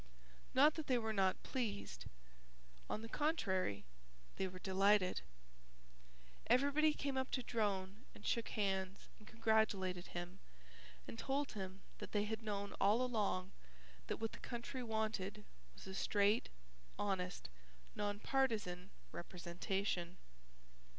Not that they were not pleased. On the contrary. They were delighted. Everybody came up to Drone and shook hands and congratulated him and told him that they had known all along that what the country wanted was a straight, honest, non partisan representation.